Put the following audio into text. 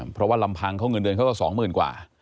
เพราะว่าลำพังเขาเงินเดือนเขาก็๒๐๐๐กว่า